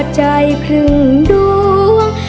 ใจคืนดวง